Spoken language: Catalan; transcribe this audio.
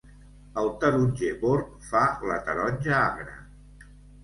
El taronger bord fa la taronja agra.